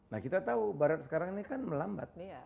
nah kita tahu barat sekarang ini kan melambat